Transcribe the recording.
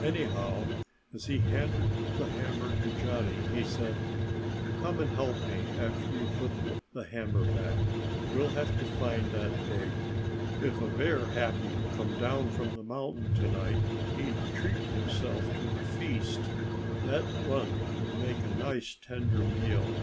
Anyhow, as he handed the hammer to Johnnie he said, "Come and help me, after you put the hammer back. We'll have to find that pig. If a bear happened to come down from the mountain to night he'd treat himself to a feast. That runt would make a nice, tender meal."